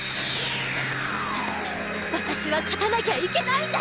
私は勝たなきゃいけないんだ！